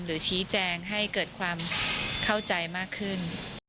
หรือชี้แจงให้เกิดความเข้าใจมากขึ้น